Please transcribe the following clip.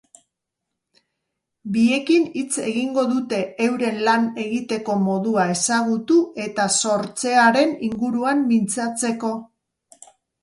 Biekin hitz egingo dute euren lan egiteko modua ezagutu eta sortzearen inguruan mintzatzeko.